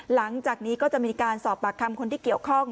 หลังจากนี้ก็จะมีการสอบปากคำคนที่เกี่ยวข้อง